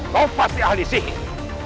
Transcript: kau pasti ahli sihir